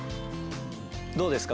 どうですか